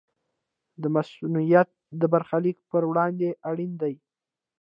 دا مصونیت د برخلیک پر وړاندې اړین دی.